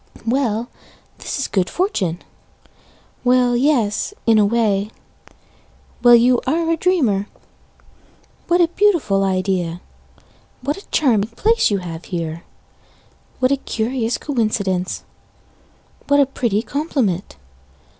Well, this is good fortune Well, yes in a way Well, you are a dreamer! What a beautiful idea What a charming place you have here What a curious coincidence! What a pretty compliment!